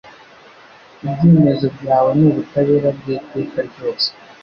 Ibyemezo byawe ni ubutabera bw’iteka ryose